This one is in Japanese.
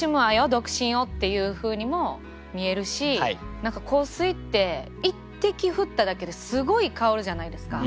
独身を」っていうふうにも見えるし何か「香水」って一滴振っただけですごい香るじゃないですか。